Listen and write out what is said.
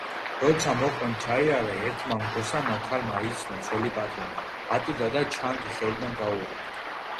როცა მოყმემ ჩაიარა, ერთმა მგოსანმა ქალმა იცნო ძველი პატრონი, ატირდა და ჩანგი ხელიდან გაუვარდა.